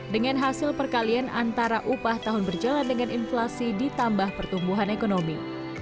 dengan hasil perkalian antara upah tahun berjalan dengan inflasi ditambah pertumbuhan ekonomi